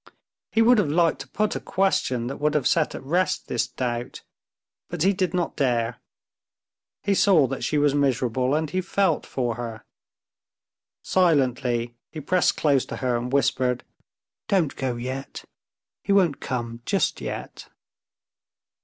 He would have liked to put a question that would have set at rest this doubt, but he did not dare; he saw that she was miserable, and he felt for her. Silently he pressed close to her and whispered, "Don't go yet. He won't come just yet."